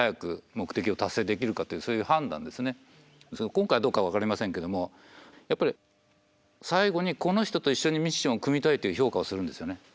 今回どうか分かりませんけども最後にこの人と一緒にミッションを組みたいという評価をするんですよね。